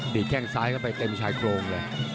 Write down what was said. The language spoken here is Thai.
แข้งซ้ายเข้าไปเต็มชายโครงเลย